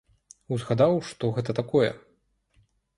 Узгадаў, што гэта такое.